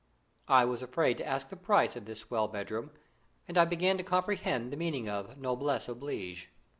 I was afraid to ask the price of this swell bedroom, and I began to comprehend the meaning of noblesse oblige.